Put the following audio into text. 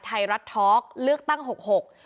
ไทยรัฐทอล์กเลือกตั้งหกหก